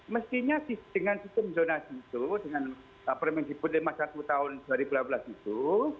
mestinya dengan sistem zonasi itu dengan permendikbud lima puluh satu tahun dua ribu delapan belas itu